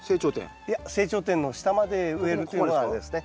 いや成長点の下まで植えるというのがあれですね。